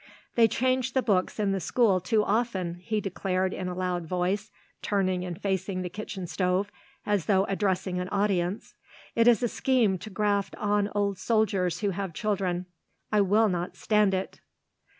"They change the books in the school too often," he declared in a loud voice, turning and facing the kitchen stove, as though addressing an audience. "It is a scheme to graft on old soldiers who have children. I will not stand it."